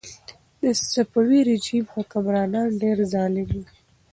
د صفوي رژیم حکمرانان ډېر ظالم وو.